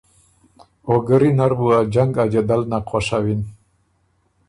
او ګرّی نر بُو ا جنګ ا جدل نک خؤشوِن۔